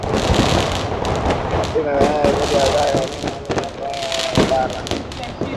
mapigano ikitoa ripoti za waasi wanaojihami kuzunguka mji mkuu Tripoli huku serikali zinazopingana zikiwanyima madaraka